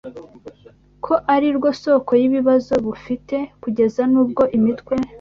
ko ari rwo soko y’ibibazo bufite, kugeza n’ubwo imitwe